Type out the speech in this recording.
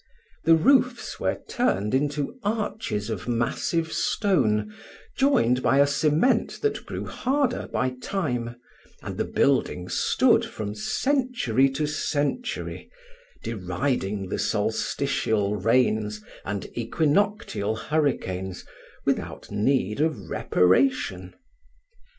The roofs were turned into arches of massive stone, joined by a cement that grew harder by time, and the building stood from century to century, deriding the solstitial rains and equinoctial hurricanes, without need of reparation.